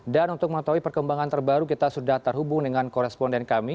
dan untuk mengetahui perkembangan terbaru kita sudah terhubung dengan koresponden kami